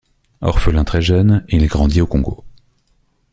Orphelin très jeune, il grandit au Congo.